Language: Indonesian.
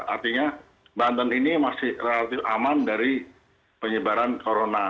artinya banten ini masih relatif aman dari penyebaran corona